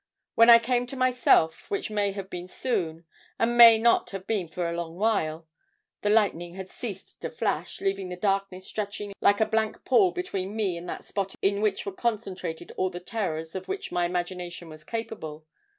When I came to myself which may have been soon, and may not have been for a long while the lightning had ceased to flash, leaving the darkness stretching like a blank pall between me and that spot in which were concentrated all the terrors of which my imagination was capable.